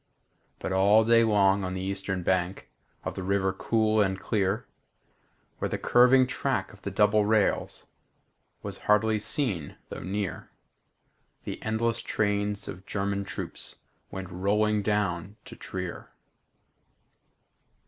But all day long on the eastern bank Of the river cool and clear, Where the curving track of the double rails Was hardly seen though near, The endless trains of German troops Went rolling down to Trier.